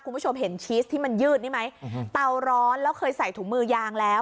คุณผู้ชมเห็นชีสที่มันยืดนี่ไหมเตาร้อนแล้วเคยใส่ถุงมือยางแล้ว